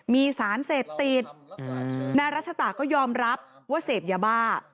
มีสารเสพติดนายรัชตะก็ยอมรับว่าเสพยาบ้า